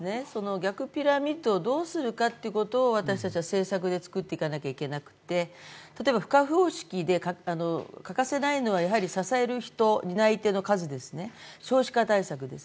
逆ピラミッドをどうするか私たちは政策でつくっていかなくちゃいけなくて例えば不覚号式で欠かせないのは支える人担い手の数ですね、少子化対策です。